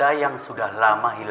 aku akan gunakan waktu ini